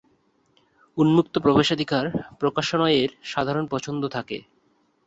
উন্মুক্ত প্রবেশাধিকার প্রকাশনা এর সাধারণ পছন্দ থাকে।